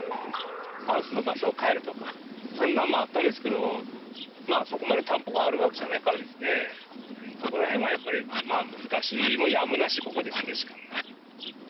ハウスの場所を変えるとか、そんなんもあったですけど、まあ、そこまで田んぼがあるわけじゃないからですね、そこらへんはやっぱりまあ、難しい、もうやむなし、ここでするしかない。